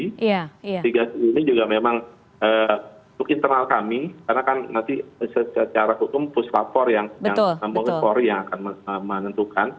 mitigasi ini juga memang untuk internal kami karena kan nanti secara hukum puslapor yang polri yang akan menentukan